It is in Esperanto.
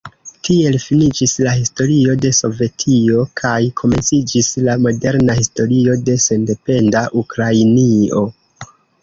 Tiel finiĝis la historio de Sovetio kaj komenciĝis la moderna historio de sendependa Ukrainio.